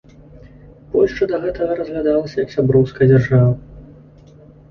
Польшча да гэтага разглядалася як сяброўская дзяржава.